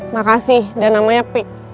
makasih dan namanya pik